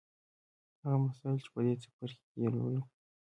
هغه مسایل چې په دې څپرکي کې یې لولو